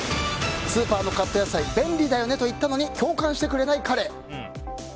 スーパーのカット野菜便利だよねと言ったのに共感してくれない彼。